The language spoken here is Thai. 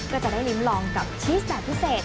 ก็จะได้ลิ้มลองกับชีสแบบพิเศษ